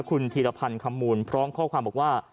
คุณธีรพันธ์ขมูลพร้อมข้อความบอกว่า